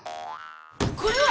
これは！